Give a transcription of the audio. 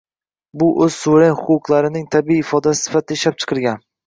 Bu o’z suveren huquqlarining tabiiy natijasi sifatida ishlab chiqilgan